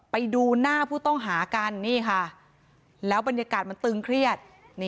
ไปดูหน้าผู้ต้องหากันนี่ค่ะแล้วบรรยากาศมันตึงเครียด